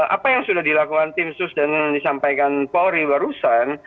apa yang sudah dilakukan tim sus dan disampaikan pori barusan